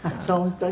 そう。